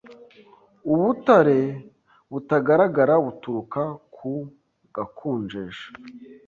Ubutare butagaragara buturuka ku gukonjesha